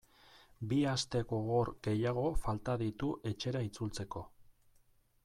Bi aste gogor gehiago falta ditu etxera itzultzeko.